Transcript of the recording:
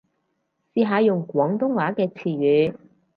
試下用廣東話嘅詞語